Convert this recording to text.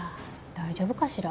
大丈夫かしら？